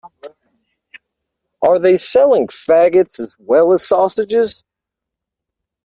Are they selling faggots as well as sausages?